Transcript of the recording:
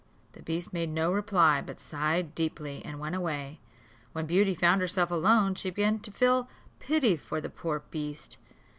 The beast made no reply, but sighed deeply, and went away. When Beauty found herself alone, she began to feel pity for the poor beast.